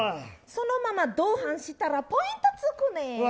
そのまま同伴したらポイントつくね。